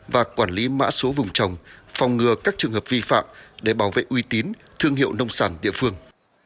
và quản lý mã số vùng trồng phòng ngừa các trường hợp vi phạm để bảo vệ uy tín thương hiệu nông sản địa phương